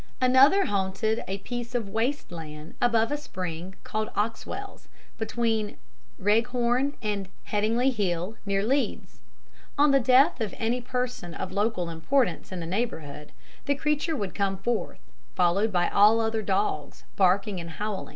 Another haunted a piece of waste land above a spring called the Oxwells, between Wreghorn and Headingley Hill, near Leeds. On the death of any person of local importance in the neighbourhood the creature would come forth, followed by all the other dogs, barking and howling.